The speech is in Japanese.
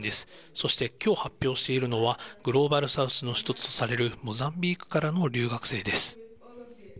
そしてきょう発表しているのは、グローバルサウスの一つとされる、モザンビークからの留学生です。